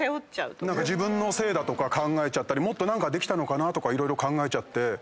自分のせいだとか考えちゃったりもっと何かできたのかなとか考えちゃって。